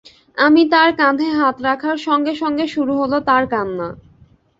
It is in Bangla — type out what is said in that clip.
আমি তার কাঁধে হাত রাখার সঙ্গে সঙ্গে শুরু হলো তার কান্না।